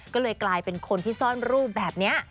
ก็เลยกลายเป็นคนที่ซ่อนรูปแบบนี้